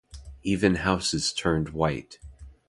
Even houses turned white.